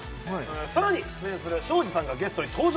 さらに庄司さんがゲストに登場